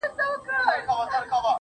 • سپين گل د بادام مي د زړه ور مـات كړ.